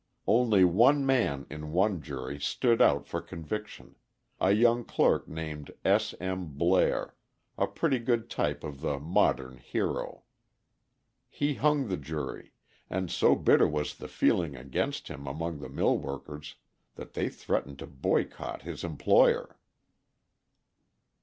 Only one man in one jury stood out for conviction a young clerk named S. M. Blair, a pretty good type of the modern hero. He hung the jury, and so bitter was the feeling against him among the millworkers that they threatened to boycott his employer.